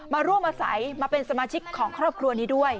มาร่วมอาศัยมาเป็นสมาชิกของครอบครัวนี้ด้วย